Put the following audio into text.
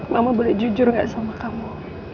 mama boleh jujur gak sama kamu